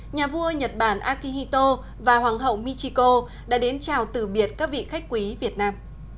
nhà vua nhật bản akihito và hoàng hậu michiko đã đến chào tử biệt các vị khách quý việt nam